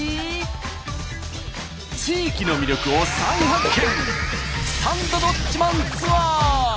地域の魅力を再発見！